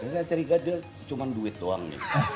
saya curiga dia cuma duit doang nih